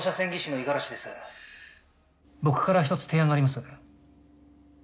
僕から１つ提案があります。